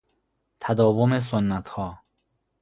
تداوم سنتها